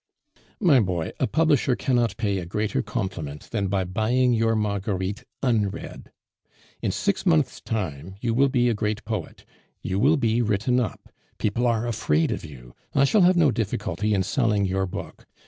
"My boy, a publisher cannot pay a greater compliment than by buying your Marguerites unread. In six months' time you will be a great poet. You will be written up; people are afraid of you; I shall have no difficulty in selling your book.